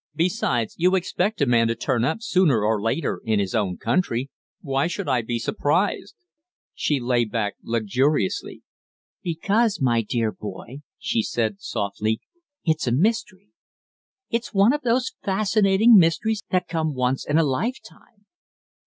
Besides, you expect a man to turn up sooner or later in his own country. Why should I be surprised?" She lay back luxuriously. "Because, my dear boy," she said, softly, "it's a mystery! It's one of those fascinating mysteries that come once in a lifetime."